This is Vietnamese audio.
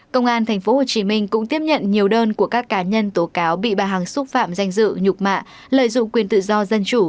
công an tp hcm cũng tiếp nhận nhiều đơn của các cá nhân tố cáo bị bà hằng xúc phạm danh dự nhục mạ lợi dụng quyền tự do dân chủ